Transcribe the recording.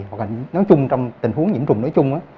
hoặc là trong tình huống nhiễm trùng nói chung